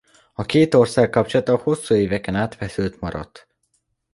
A két ország kapcsolata hosszú éveken át feszült maradt.